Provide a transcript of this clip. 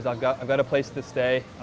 saya memiliki tempat untuk tinggal